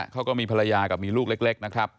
เขาก็มีภรรยากับมีลูกเล็กนะครับ